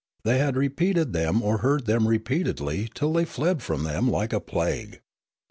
They had repeated them or heard them repeated till they fled from them like a plague.